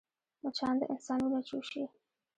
مچان د انسان وینه چوشي